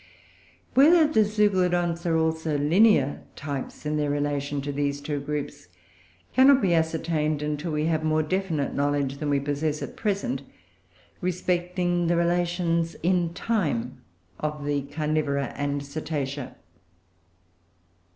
Whether the Zeuglodonts are also linear types in their relation to these two groups cannot be ascertained, until we have more definite knowledge than we possess at present, respecting the relations in time of the Carnivora and Cetacea.